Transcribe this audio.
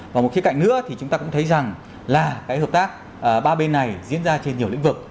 và một cái cạnh nữa thì chúng ta cũng thấy rằng là cái hợp tác ba bên này diễn ra trên nhiều lĩnh vực